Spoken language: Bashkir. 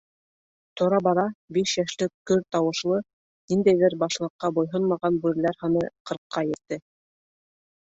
Тора-бара биш йәшлек көр тауышлы, ниндәйҙер башлыҡҡа буйһонмаған бүреләр һаны ҡырҡҡа етте.